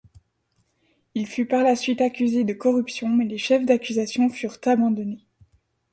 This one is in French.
Il fut par la suite accusé de corruption mais les chefs d'accusation furent abandonnés.